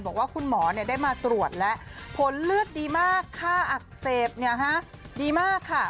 บอกว่าคุณหมอได้มาตรวจและผลเลือดดีมากค่าอักเสบดีมากค่ะ